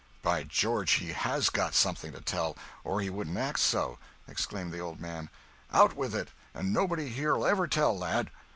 "By George, he has got something to tell, or he wouldn't act so!" exclaimed the old man; "out with it and nobody here'll ever tell, lad."